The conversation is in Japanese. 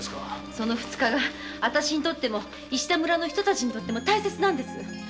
その二日があたしにも石田村の人たちにも大切なんです。